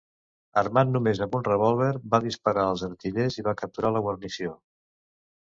Armat només amb un revòlver, va disparar els artillers i va capturar la guarnició.